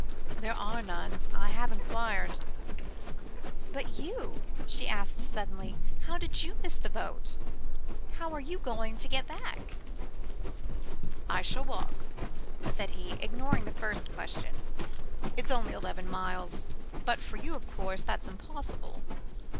"There are none. I have inquired." "But you," she asked suddenly, "how did you miss the boat? How are you going to get back?" "I shall walk," said he, ignoring the first question. "It's only eleven miles. But for you, of course, that's impossible.